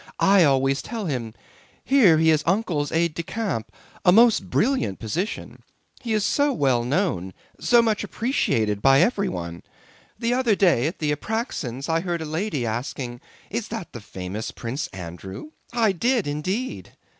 I always tell him: Here he is Uncle's aide de camp, a most brilliant position. He is so well known, so much appreciated by everyone. The other day at the Apráksins' I heard a lady asking, 'Is that the famous Prince Andrew?' I did indeed."